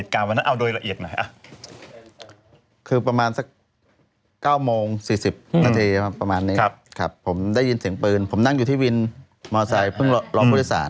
ก็ได้ยินเสียงปืนผมนั่งอยู่ที่วินมอเตอร์ไซค์เพิ่งรอบพฤศาล